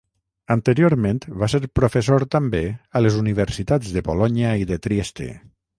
Anteriorment, va ser professor també a les universitats de Bolonya i de Trieste.